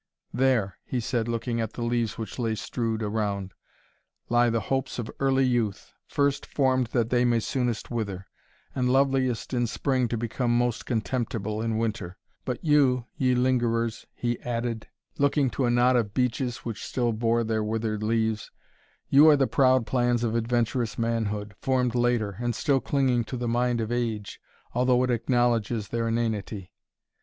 "There," he said, looking at the leaves which lay strewed around, "lie the hopes of early youth, first formed that they may soonest wither, and loveliest in spring to become most contemptible in winter; but you, ye lingerers," he added, looking to a knot of beeches which still bore their withered leaves, "you are the proud plans of adventurous manhood, formed later, and still clinging to the mind of age, although it acknowledges their inanity!